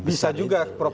bisa juga prof